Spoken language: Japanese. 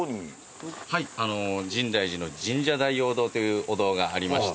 はいあのう深大寺の深沙大王堂というお堂がありまして。